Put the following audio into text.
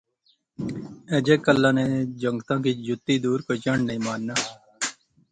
اجا کلا نے جنگُتاں کی جُتی دور کوئی چنڈ نی مارنا